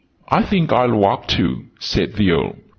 "I think I'll walk too," said the Earl.